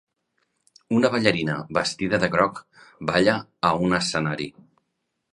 Una ballarina vestida de groc balla a un escenari.